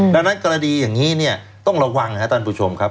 ดังนั้นกรณีอย่างนี้เนี่ยต้องระวังครับท่านผู้ชมครับ